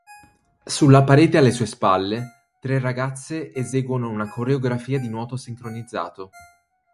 Sulla parete alle sue spalle, tre ragazze eseguono una coreografia di nuoto sincronizzato.